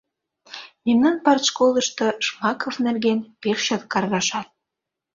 Мемнан партшколышто Жмаков нерген пеш чот каргашат.